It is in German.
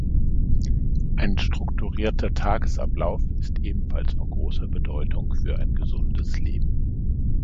Ein strukturierter Tagesablauf ist ebenfalls von großer Bedeutung für ein gesundes Leben.